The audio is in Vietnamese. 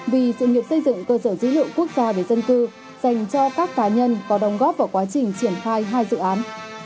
vì sự nghiệp xây dựng cơ sở dữ liệu quốc gia về dân cư dành cho các cá nhân có đồng góp vào quá trình triển khai hai dự án